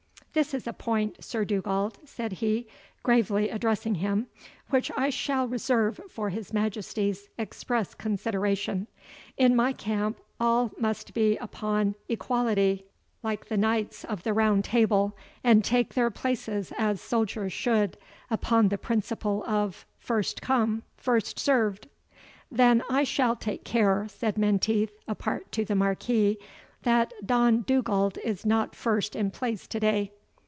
'This is a point, Sir Dugald," said he, gravely addressing him, "which I shall reserve for his Majesty's express consideration; in my camp, all must be upon equality, like the Knights of the Round Table; and take their places as soldiers should, upon the principle of, first come, first served." "Then I shall take care," said Menteith, apart to the Marquis, "that Don Dugald is not first in place to day.